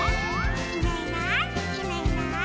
「いないいないいないいない」